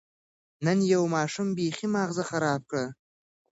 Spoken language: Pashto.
نن یو ماشوم بېخي ماغزه خراب کړ.